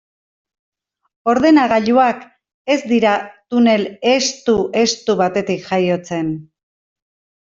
Ordenagailuak ez dira tunel estu-estu batetik jaiotzen.